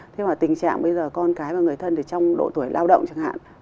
tình trạng bây giờ con cái và người thân thì trong độ tuổi lao động chẳng hạn